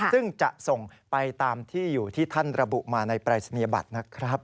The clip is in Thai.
ซึ่งจะส่งไปตามที่อยู่ที่ท่านระบุมาในปรายศนียบัตรนะครับ